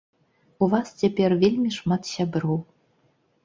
У вас цяпер вельмі шмат сяброў.